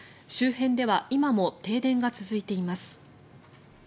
周辺では今も停電が続いています。